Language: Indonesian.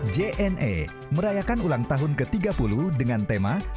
jna merayakan ulang tahun ke tiga puluh dengan tema